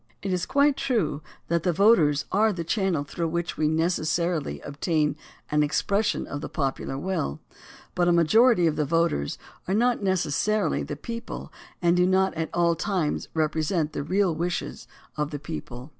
It is quite true that the voters are the channel through which we necessarily obtain an expression of the popular will, but a majority of the voters are not necessarily the people and do not at all times represent the real wishes of the people.